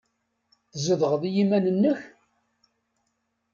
Tzedɣeḍ i yiman-nnek?